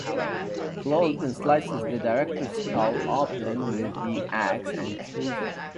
Claude then slices the Directors skull open with the axe and kills him.